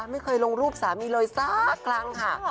ไม่เคยลงรูปสามีเลยสักครั้งค่ะ